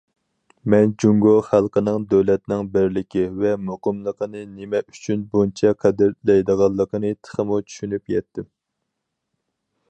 مەن جۇڭگو خەلقىنىڭ دۆلەتنىڭ بىرلىكى ۋە مۇقىملىقىنى نېمە ئۈچۈن بۇنچە قەدىرلەيدىغانلىقىنى تېخىمۇ چۈشىنىپ يەتتىم.